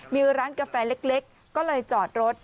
มีร้านกาแฟเล็กก็เลยจอดรถ